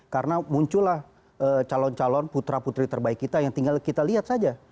karena muncul lah calon calon putra putri terbaik kita yang tinggal kita lihat saja